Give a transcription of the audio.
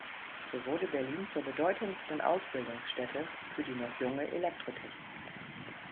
So wurde Berlin zur bedeutendsten Ausbildungsstätte für die noch junge Elektrotechnik.